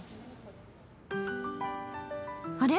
あれ？